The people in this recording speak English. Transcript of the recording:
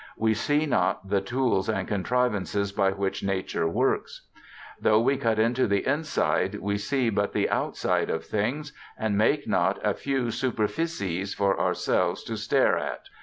We * see not the tools and contrivances by which nature works '.* Though we cut into the inside we see but the outside of things and make but a new superficies for ourselves to stare at.'